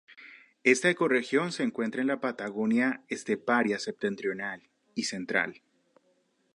Esta ecorregión se encuentra en la Patagonia esteparia septentrional y central.